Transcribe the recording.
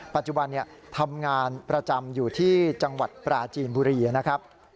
ปัจจุบันทำงานประจำอยู่ที่จังหวัดปราจีนบุรีนะครับ